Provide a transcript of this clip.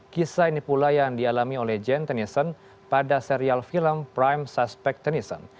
kisah ini pula yang dialami oleh jane tennyson pada serial film prime suspect tennyson